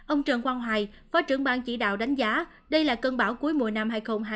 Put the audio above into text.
ông trần quang hoài phó trưởng ban chỉ đạo đánh giá đây là cơn bão cuối mùa năm hai nghìn hai mươi